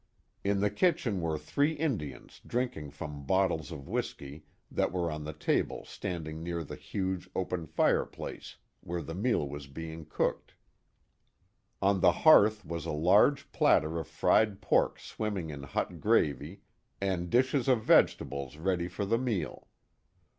In the kitchen were three Indians drinking from bottles of whiskey that were on the table standing near the huge open fireplace where the meal was being cooked. On the hearth was a large platter of fried pork swimming in hot gravy, and dishes of vegetables ready for the meal.